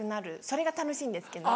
それが楽しいんですけど。